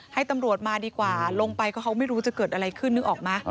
ให้ตำรวจมาดีกว่าลงไปก็เขาไม่รู้จะเกิดอะไรขึ้นนึกออกไหม